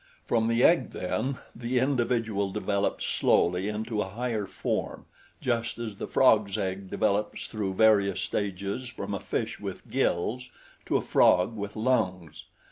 From the egg, then, the individual developed slowly into a higher form, just as the frog's egg develops through various stages from a fish with gills to a frog with lungs.